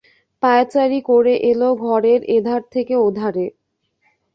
পায়চারি করে এল ঘরের এধার থেকে ওধারে।